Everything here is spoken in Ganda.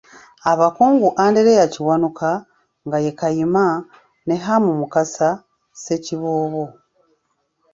Abakungu Anderea Kiwanuka, nga ye Kayima, ne Ham Mukasa, Ssekiboobo.